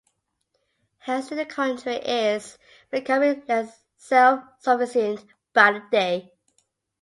Hence the country is becoming less self-sufficient by the day.